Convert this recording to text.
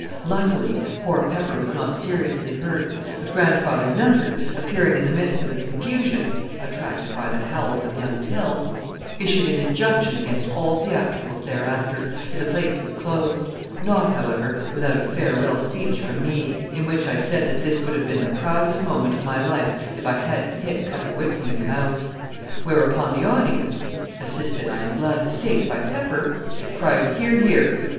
Luckily poor Pepper was not seriously hurt; but Grandfather Nutter, appearing in the midst of the confusion (attracted by the howls of young Tell), issued an injunction against all theatricals thereafter, and the place was closed; not, however, without a farewell speech from me, in which I said that this would have been the proudest moment of my life if I hadn't hit Pepper Whitcomb in the mouth. Whereupon the audience (assisted, I am glad to state, by Pepper) cried "Hear! Hear!"